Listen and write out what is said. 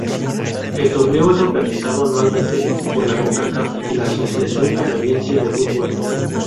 El torneo es organizado anualmente por la Concacaf y la Asociación Canadiense de Fútbol.